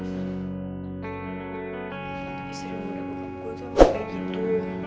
istri muda bapak gue tuh kayak gitu